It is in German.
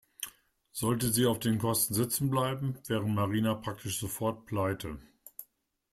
Sollte sie auf den Kosten sitzen bleiben, wäre Marina praktisch sofort pleite.